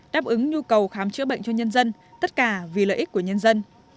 đáp ứng nhu cầu khám chữa bệnh cho nhân dân tất cả vì lợi ích của nhân dân